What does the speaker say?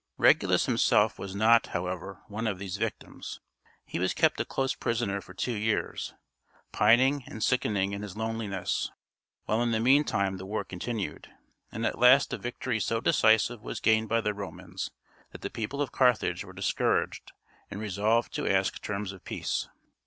Regulus himself was not, however, one of these victims. He was kept a close prisoner for two years, pining and sickening in his loneliness, while in the meantime the war continued, and at last a victory so decisive was gained by the Romans, that the people of Carthage were discouraged, and resolved to ask terms of peace.